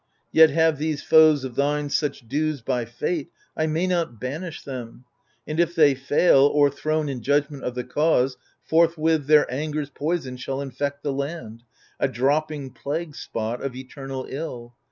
— Yet have these foes of thine such dues by fate, I may not banish them : and if they fail, Overthrown in judgment of the cause, forthwith Their anger's poison shall infect the land — A dropping plague spot of eternal ill.